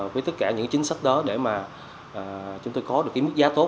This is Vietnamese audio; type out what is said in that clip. với tất cả những chính sách đó để mà chúng tôi có được cái mức giá tốt